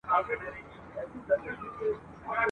پر آغاز یمه پښېمانه له انجامه ګیله من یم ..